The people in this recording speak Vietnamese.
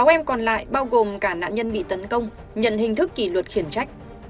sáu em còn lại bao gồm cả nạn nhân bị tấn công nhận hình thức kỷ luật khiển trách